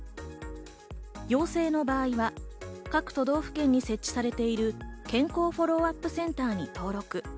陽性の場合は各都道府県に設置されている健康フォローアップセンターに登録。